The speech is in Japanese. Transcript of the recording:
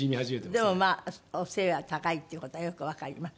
でもまあ背が高いっていう事はよくわかります。